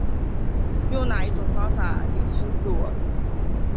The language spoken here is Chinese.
用哪一种方法厘清自我